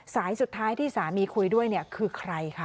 สายสุดท้ายที่สามีคุยด้วยเนี่ยคือใครคะ